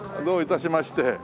どういたしまして。